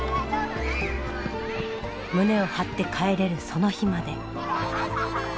胸を張って帰れるその日まで。